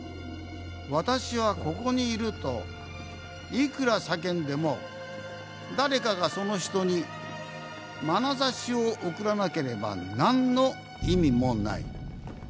「私はここにいる」といくら叫んでも誰かがその人にまなざしを送らなければ何の意味もない。